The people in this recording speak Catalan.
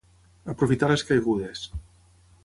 Aprofitar les caigudes.